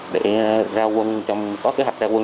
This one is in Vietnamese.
để có kế hoạch ra quân